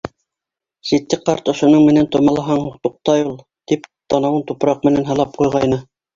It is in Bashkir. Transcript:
Ситдиҡ ҡарт, ошоноң менән томалаһаң туҡтай ул, тип танауын тупраҡ менән һылап ҡуйғайны.